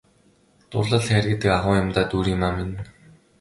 Дурлал хайр гэдэг агуу юм даа Дүүриймаа минь!